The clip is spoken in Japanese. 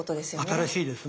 新しいですね。